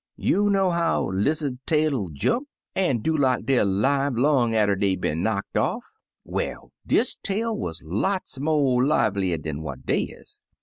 You know how lizzud's tail'll jump, an' do like deyer 'live long atter dey been knocked off — well, dish yer tail wuz lots mo' liver dan what dey is.